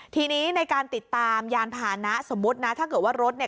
ทีนี้ในการติดตามยานพานะสมมุตินะถ้าเกิดว่ารถเนี่ย